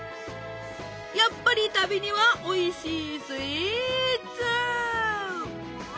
やっぱり旅にはおいしいスイーツ！